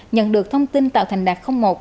nhận được thông tin tàu thành đạt một